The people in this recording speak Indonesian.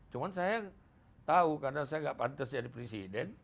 cuma saya tahu karena saya gak pantas jadi presiden